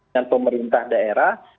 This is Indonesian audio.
dengan pemerintah daerah